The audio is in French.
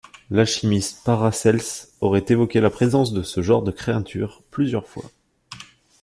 L'alchimiste Paracelse aurait évoqué la présence de ce genre de créature plusieurs fois.